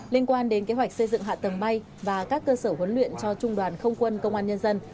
liên quan đến kế hoạch xây dựng hạ tầng bay và các cơ sở huấn luyện cho trung đoàn không quân công an nhân dân